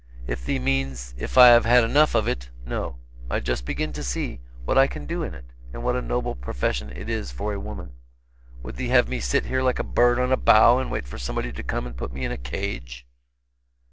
"If thee means, if I have had enough of it, no. I just begin to see what I can do in it, and what a noble profession it is for a woman. Would thee have me sit here like a bird on a bough and wait for somebody to come and put me in a cage?"